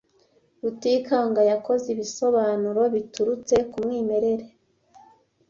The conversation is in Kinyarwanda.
Rutikanga yakoze ibisobanuro biturutse ku mwimerere.